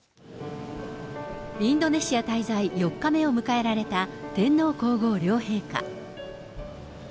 インドネシア滞在４日目を迎えられた天皇皇后両陛下。